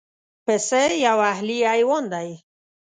پسه یو اهلي حیوان دی.